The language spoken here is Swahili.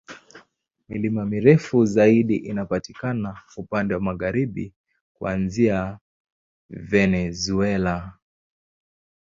Milima mirefu zaidi inapatikana upande wa magharibi, kuanzia Venezuela.